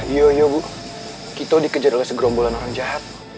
iya iya bu kito dikejar oleh segerombolan orang jahat